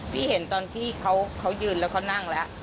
พี่เห็นตอนที่เขายืนแล้วเขานั่งแล้ว